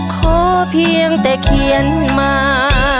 ขอเพียงแต่เขียนมา